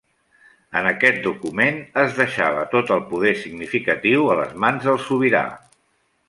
En aquest document es deixava tot el poder significatiu a les mans del sobirà.